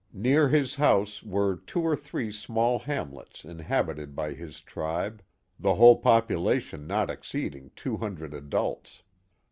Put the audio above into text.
Near his house were two or three small hamlets inhabited by his tribe, the whole population not exceeding two hundred adults.